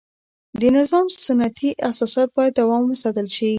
د نظام سنتي اساسات باید دوام وساتل شي.